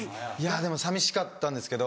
でも寂しかったんですけど。